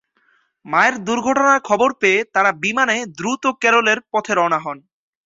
মায়ের দুর্ঘটনার খবর পেয়ে তারা বিমানে দ্রুত কেরলের পথে রওনা হন।